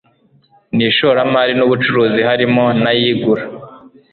n ishoramari n ubucuruzi harimo n ay igura